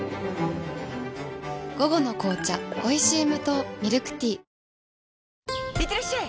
午後の紅茶おいしい無糖ミルクティーいってらっしゃい！